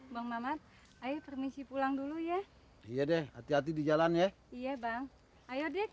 bang mamat ayo permisi pulang dulu ya iya deh hati hati di jalan ya iya bang ayo deh